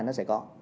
nó sẽ có